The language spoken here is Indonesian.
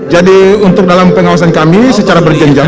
jadi untuk dalam pengawasan kami secara berjenjang